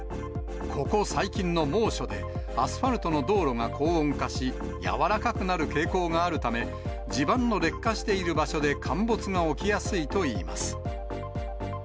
ここ最近の猛暑で、アスファルトの道路が高温化し、やわらかくなる傾向があるため、地盤の劣化している場所で陥没が起きやすいといいます。